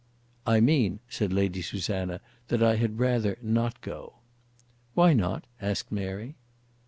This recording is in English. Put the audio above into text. "I mean," said Lady Susanna, "that I had rather not go." "Why not?" asked Mary.